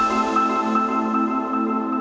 บ๊ายบาย